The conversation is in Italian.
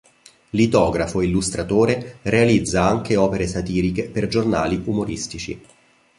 Litografo e illustratore, realizza anche opere satiriche per giornali umoristici.